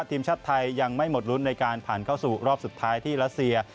ทีมชาติไทยยังไม่หมดลุ้นในการผ่านเข้าสู่รอบสุดท้ายที่รัสเซีย